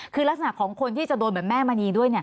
คือลักษณะของคนที่จะโดนเหมือนแม่มณีด้วย